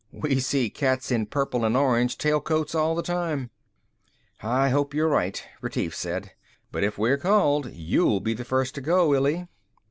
"We see cats in purple and orange tailcoats all the time." "I hope you're right," Retief said. "But if we're called, you'll be the first to go, Illy."